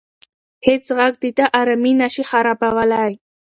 هیڅ غږ د ده ارامي نه شي خرابولی.